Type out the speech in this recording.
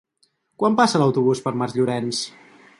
Quan passa l'autobús per Masllorenç?